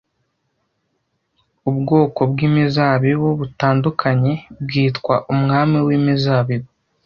Ubwoko bw'imizabibu butandukanye bwitwa Umwami w'imizabibu